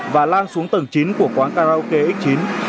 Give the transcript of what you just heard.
và lan xuống tầng chín của quán karaoke x chín